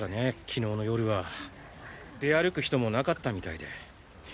昨日の夜は出歩く人もなかったみたいで。